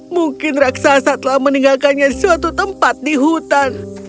mungkin raksasa telah meninggalkannya suatu tempat di hutan